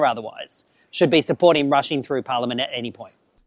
yang harus mendukung dan mengecewakan parlimen di mana mana titik